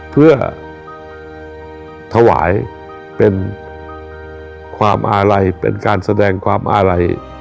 เพื่อถวายเป็นความอาลัยเป็นการแสดงความอาลัย